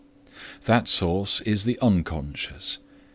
That source is the unconscious.